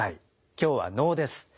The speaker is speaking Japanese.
今日は能です。